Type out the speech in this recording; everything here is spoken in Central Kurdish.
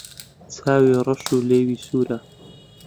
چاوی رەش و لێوی سوورە